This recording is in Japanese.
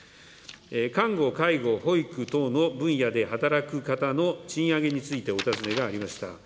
看護、介護、保育等の分野で働く方の賃上げについてお尋ねがありました。